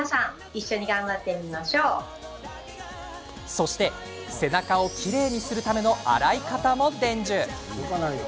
そして、背中をきれいにするための洗い方も伝授。